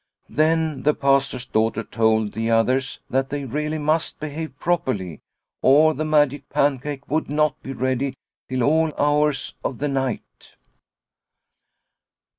Then the Pastor's daughter told the others that they really must behave properly or the magic pancake would not be ready till all hours of the night.